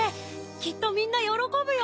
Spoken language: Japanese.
きっとみんなよろこぶよ。